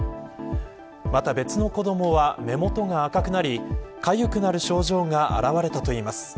また、別の子どもは目元が赤くなりかゆくなる症状が現れたといいます。